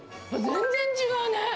全然違うね